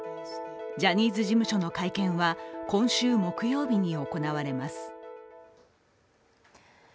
ジャニーズ事務所の会見は今週木曜日に行われます。